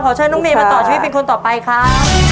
เชิญน้องเมย์มาต่อชีวิตเป็นคนต่อไปครับ